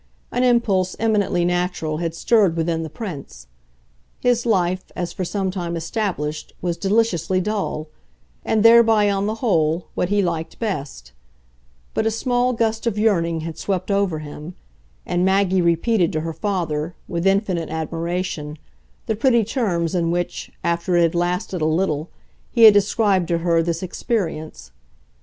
An impulse eminently natural had stirred within the Prince; his life, as for some time established, was deliciously dull, and thereby, on the whole, what he best liked; but a small gust of yearning had swept over him, and Maggie repeated to her father, with infinite admiration, the pretty terms in which, after it had lasted a little, he had described to her this experience.